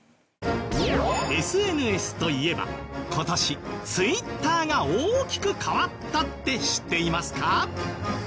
ＳＮＳといえば今年Ｔｗｉｔｔｅｒが大きく変わったって知っていますか？